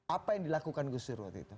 apa yang dilakukan gus dur waktu itu